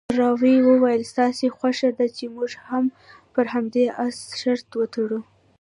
کراول وویل، ستاسې خوښه ده چې موږ هم پر همدې اس شرط وتړو؟